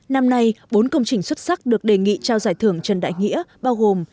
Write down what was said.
năm nay bốn công trình xuất sắc được đề nghị trao giải thưởng trần đại nghĩa bao gồm